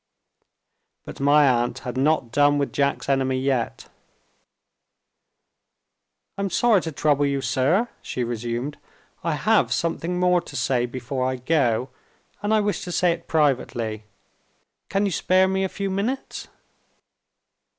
But my aunt had not done with Jack's enemy yet. "I am sorry to trouble you, sir," she resumed "I have something more to say before I go, and I wish to say it privately. Can you spare me a few minutes?"